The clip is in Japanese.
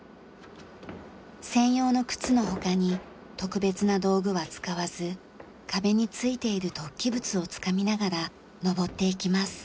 専用の靴の他に特別な道具は使わず壁に付いている突起物をつかみながら登っていきます。